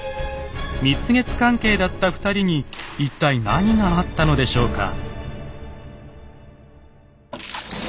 蜜月関係だった２人に一体何があったのでしょうか？